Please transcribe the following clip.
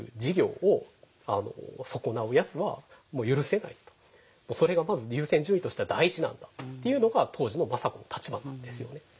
政子にとってはだからそれがまず優先順位としては第一なんだっていうのが当時の政子の立場なんですよね。